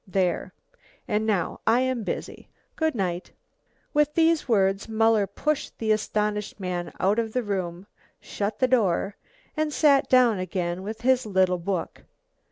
There and now I am busy. Goodnight." With these words Muller pushed the astonished man out of the room, shut the door, and sat down again with his little book.